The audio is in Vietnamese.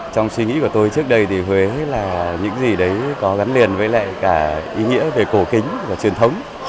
trong suy nghĩ của tôi trước đây thì huế là những gì đấy có gắn liền với lại cả ý nghĩa về cổ kính và truyền thống